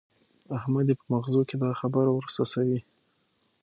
احمد يې په مغزو کې دا خبره ور څڅوي.